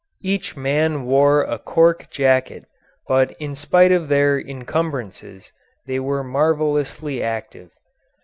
Each man wore a cork jacket, but in spite of their encumbrances they were marvellously active.